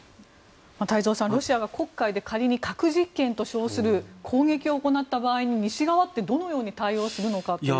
太蔵さん、ロシアが黒海で仮に核実験と称する攻撃を行った場合に西側ってどのように対応するのかという。